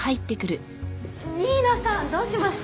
新名さんどうしました？